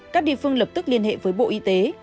các địa phương lập tức liên hệ với bộ y tế